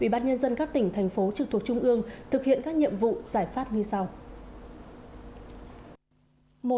ủy ban nhân dân các tỉnh thành phố trực thuộc trung ương thực hiện các nhiệm vụ giải pháp như sau